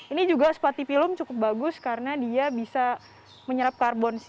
ini juga sepati film cukup bagus karena dia bisa menyerap karbon sih